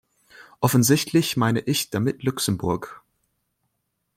Offensichtlich meine ich damit Luxemburg.